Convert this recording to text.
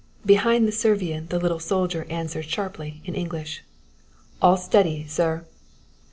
Behind the Servian the little soldier answered sharply in English: "All steady, sir!"